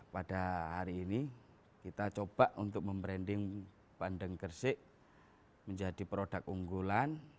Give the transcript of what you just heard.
pada hari ini kita coba untuk membranding bandeng gersik menjadi produk unggulan